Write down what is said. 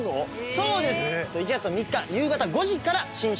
そうです！１月の３日夕方５時から新春！